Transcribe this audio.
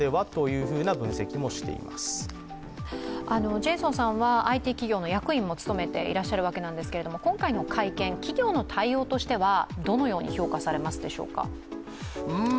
ジェイソンさんはＩＴ企業の役員も務めていらっしゃるわけなんですが今回の会見、企業の対応としてはどのように評価されますでしょうか？